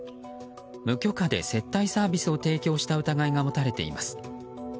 無許可で接待サービスを提供した疑いが持たれています。